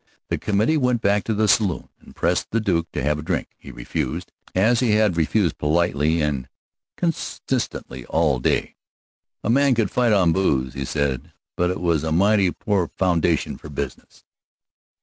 The committee went back to the saloon, and pressed the Duke to have a drink. He refused, as he had refused politely and consistently all day. A man could fight on booze, he said, but it was a mighty poor foundation for business.